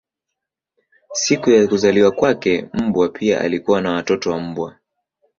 Siku ya kuzaliwa kwake mbwa pia alikuwa na watoto wa mbwa.